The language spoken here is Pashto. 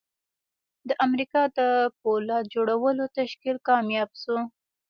د امریکا د پولاد جوړولو تشکیل کامیاب شو